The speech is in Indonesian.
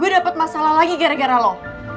gue dapet masalah lagi gara gara lo